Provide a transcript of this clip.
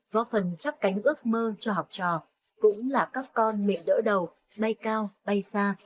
vô phần chắc cánh ước mơ cho học trò cũng là các con mẹ đỡ đầu bay cao bay xa